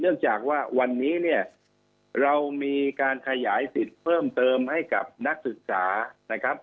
จากว่าวันนี้เนี่ยเรามีการขยายสิทธิ์เพิ่มเติมให้กับนักศึกษานะครับ